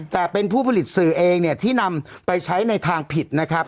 แต่เป็นผู้ผลิตสื่อเองเนี่ยที่นำไปใช้ในทางผิดนะครับ